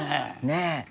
ねえ。